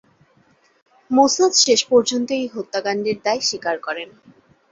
Mossad শেষপর্যন্ত এই হত্যাকান্ডের দায় স্বীকার করেন।